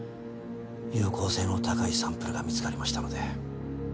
有効性の高いサンプルが見つかりましたので。